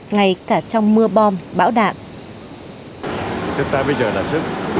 ngay cả trong mưa bom bão đạn